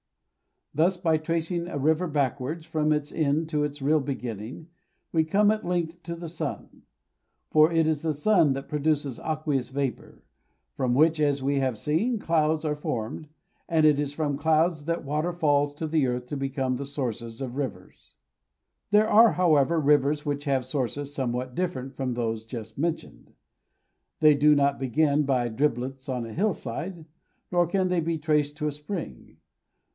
Thus, by tracing a river backwards, from its end to its real beginning, we come at length to the sun; for it is the sun that produces aqueous vapour, from which, as we have seen, clouds are formed, and it is from clouds that water falls to the earth to become the sources of rivers. There are, however, rivers which have sources somewhat different from those just mentioned. They do not begin by driblets on a hillside, nor can they be traced to a spring.